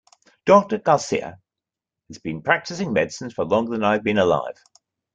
Doctor Garcia has been practicing medicine for longer than I have been alive.